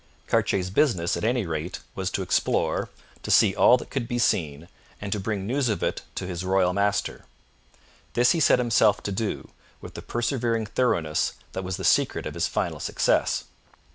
Cartier's business at any rate was to explore, to see all that could be seen, and to bring news of it to his royal master. This he set himself to do, with the persevering thoroughness that was the secret of his final success.